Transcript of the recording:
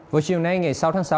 vào chiều nay ngày sáu tháng sáu